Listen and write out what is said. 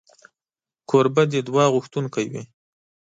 کوربه د دعا غوښتونکی وي.